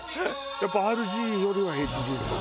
やっぱＲＧよりはＨＧの方が。